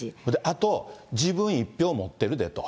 あと、自分１票持ってるでと。